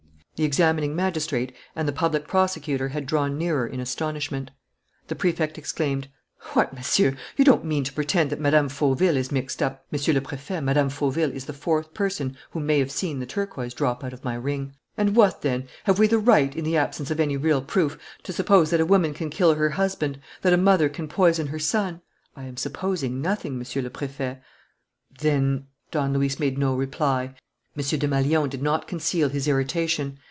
The examining magistrate and the public prosecutor had drawn nearer in astonishment. The Prefect exclaimed: "What, Monsieur! You don't mean to pretend that Mme. Fauville is mixed up " "Monsieur le Préfet, Mme. Fauville is the fourth person who may have seen the turquoise drop out of my ring." "And what then? Have we the right, in the absence of any real proof, to suppose that a woman can kill her husband, that a mother can poison her son?" "I am supposing nothing, Monsieur le Préfet." "Then ?" Don Luis made no reply. M. Desmalions did not conceal his irritation.